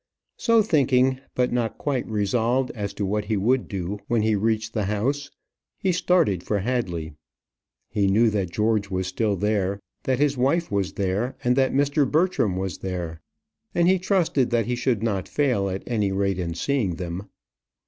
So thinking, but not quite resolved as to what he would do when he reached the house, he started for Hadley. He knew that George was still there, that his wife was there, and that Mr. Bertram was there; and he trusted that he should not fail at any rate in seeing them.